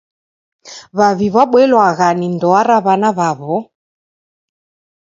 W'avi waboilwagha ni ndoa ra w'ana w'aw'o.